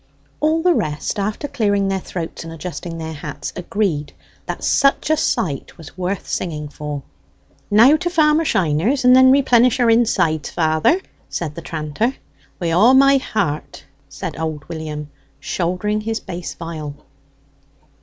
All the rest, after clearing their throats and adjusting their hats, agreed that such a sight was worth singing for. "Now to Farmer Shiner's, and then replenish our insides, father?" said the tranter. "Wi' all my heart," said old William, shouldering his bass viol.